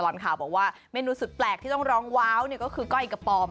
และสิ่งสุดสุดแปลกที่ต้องร้องว้าวนี่ก็คือก้อยกับปลอม